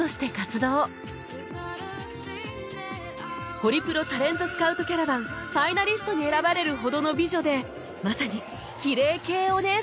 ホリプロタレントスカウトキャラバンファイナリストに選ばれるほどの美女でまさにきれい系お姉様